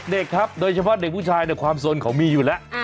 เด็กครับโดยเฉพาะเด็กผู้ชายในความสนเขามีอยู่แล้ว